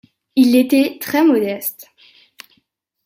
Il était très modeste.